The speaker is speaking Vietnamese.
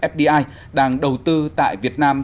fdi đang đầu tư tại việt nam